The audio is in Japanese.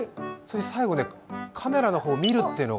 最後ね、カメラの方を見るっていうのが。